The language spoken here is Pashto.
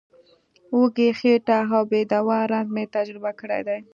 وږې خېټه او بې دوا رنځ مې تجربه کړی دی.